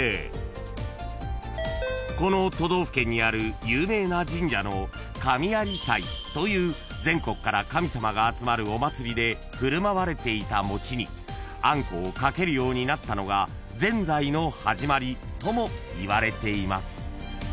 ［この都道府県にある有名な神社の神在祭という全国から神様が集まるお祭りで振る舞われていた餅にあんこをかけるようになったのがぜんざいの始まりともいわれています］